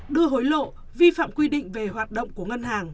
đưa hối lộ vi phạm quy định về hoạt động của ngân hàng